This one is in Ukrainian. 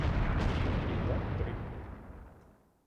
І так три дні.